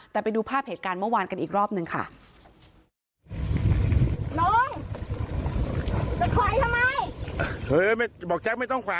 แต่ไปดูภาพเหตุการณ์เมื่อวานกันอีกรอบหนึ่งค่ะ